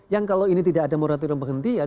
yang kalau ini tidak ada moratorium penghentian